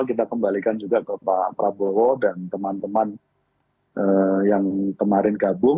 kita kembalikan juga ke pak prabowo dan teman teman yang kemarin gabung